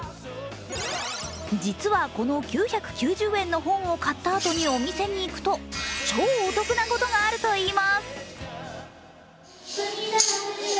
実はこの９９０円の本を買ったあとにお店に行くと超お得なことがあるといいます。